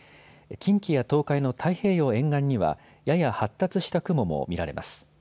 近畿や東海の太平洋沿岸にはやや発達した雲も見られます。